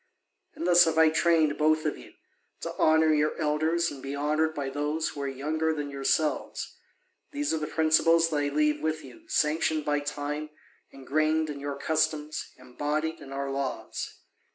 And thus have I trained both of you, to honour your elders and be honoured by those who are younger than yourselves. These are the principles that I leave with you, sanctioned by time, ingrained in our customs, embodied in our laws.